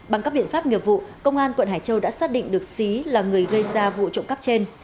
bằng các biện pháp nghiệp vụ công an quận hải châu đã xác định được xí là người gây ra vụ trộm cắp trên